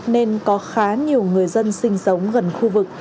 nên có khá nhiều người dân sinh sống gần khu vực